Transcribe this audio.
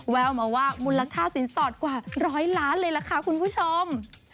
แววมาว่ามูลค่าสินสอดกว่าร้อยล้านเลยล่ะค่ะคุณผู้ชม